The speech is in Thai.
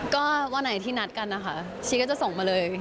ก็วันไหนที่นัดกันนะคะชีก็จะส่งมาเลย